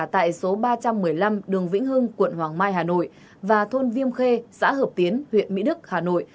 tại số ba trăm một mươi năm đường vĩnh hưng quận hoàng mai hà nội và thôn viêm khê xã hợp tiến huyện mỹ đức hà nội